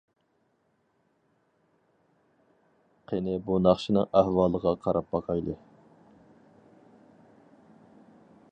قېنى بۇ ناخشىنىڭ ئەھۋالىغا قاراپ باقايلى.